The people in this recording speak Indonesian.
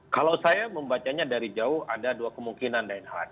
kalau saya membacanya dari jauh ada dua kemungkinan reinhardt